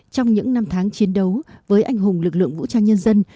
trong những năm tháng chiến đấu với anh hùng lực lượng vũ trang nhân dân